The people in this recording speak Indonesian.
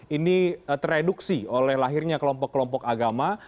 ini tereduksi oleh lahirnya kelompok kelompok agama